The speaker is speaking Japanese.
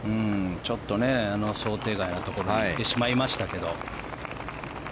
ちょっと想定外のところに行ってしまいましたけど。